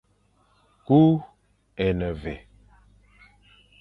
Ku é ne mvè.